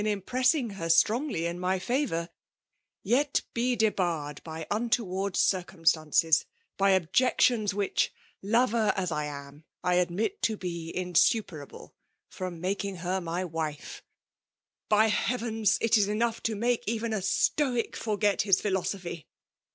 impressing her strongly in my fevoory ^ydt 4)6 /furred by untoward circnflislflM^ ^by pti^ctions which, lover as I am, I adn&it to be ^)Superable, ^frQm aotaking her my wife. By liealvens ! it is eoosgh to make even a stole fidget his philosophy.